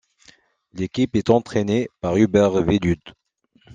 L'équipe est entraînée par Hubert Velud.